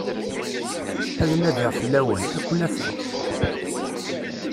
Ad nadiɣ fell-awen, ad ken-afeɣ.